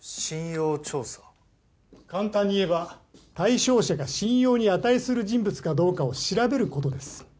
簡単に言えば対象者が信用に値する人物かどうかを調べることです。